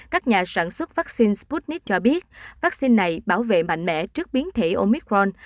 các nhà sản xuất vaccine sputnik cho biết vaccine này bảo vệ mạnh mẽ trước biến thể omicron